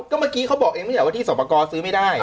ก็เมื่อกี้เขาบอกเองไม่ใช่ว่าที่สอบประกอบซื้อไม่ได้